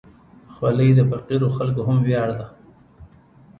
خولۍ د فقیرو خلکو هم ویاړ ده.